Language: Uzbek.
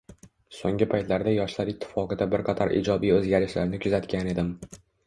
So‘nggi paytlarda Yoshlar ittifoqida bir qator ijobiy o‘zgarishlarni kuzatgan edim.